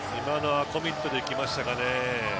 今のはコミットできましたかね。